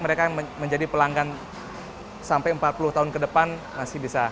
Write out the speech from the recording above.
mereka yang menjadi pelanggan sampai empat puluh tahun ke depan masih bisa